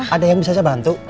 ada yang bisa saya bantu